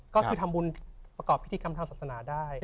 ก็คือทำบุญประกอบพิธีกรรมทางศาสนาได้